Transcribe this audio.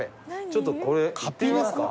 ちょっとこれ行ってみますか。